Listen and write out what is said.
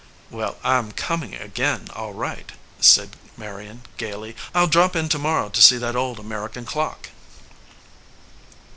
"Well, I am coming again, all right," said Marion, gaily. "I ll drop in to morrow to see that old American clock."